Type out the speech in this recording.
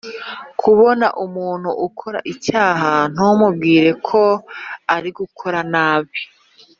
Kubona umuntu akora icyaha ntumubwire ko ari gukora nabi